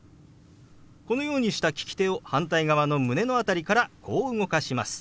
このようにした利き手を反対側の胸の辺りからこう動かします。